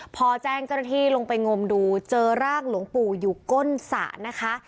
พอแจ้งเจ้าหน้าที่ลงไปงมดูเจอร่างหลวงปู่อยู่ก้นสระนะคะ